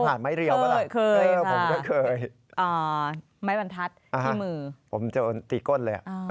ผมตื่นตีก้นเลย